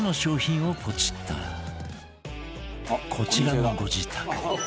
こちらのご自宅